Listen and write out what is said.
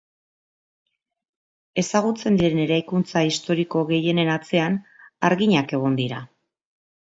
Ezagutzen diren eraikuntza historiko gehienen atzean harginak egon dira.